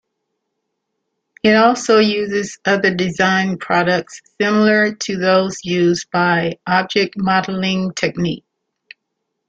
It also uses other design products similar to those used by Object-modeling technique.